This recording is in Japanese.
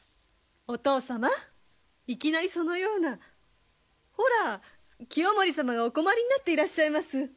お父様いきなりそのような。ほら清盛様がお困りになっていらっしゃいます。